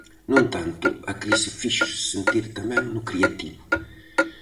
No entanto, a crise fíxose sentir tamén no creativo.